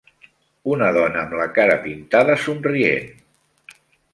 Una dona amb la cara pintada somrient.